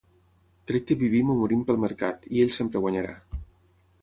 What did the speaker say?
Crec que vivim o morim pel mercat, i ell sempre guanyarà.